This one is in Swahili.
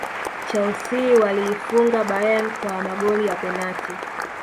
chelsea waliifunga bayern kwa magoli ya penati